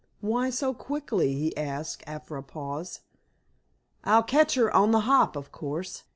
"Why so quickly?" he asked, after a pause. "I'll catch her on the hop, of course.